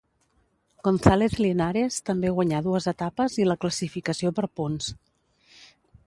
González Linares també guanyà dues etapes i la classificació per punts.